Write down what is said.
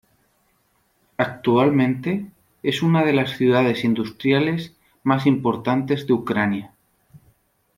Actualmente, es una de las ciudades industriales más importantes de Ucrania.